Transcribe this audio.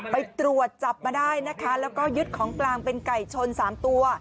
ไปตรวจจับมาได้นะคะแล้วก็ยึดของกลางเป็นไก่ชน๓ตัว